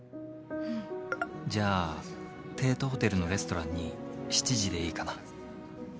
「じゃあ、帝都ホテルのレストランに７時でいいかな？」。